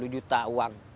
sepuluh juta uang